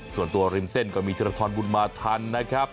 ส่วนตัวริมเส้นก็มีธิรักษ์ทรบุตรมาทันนะครับ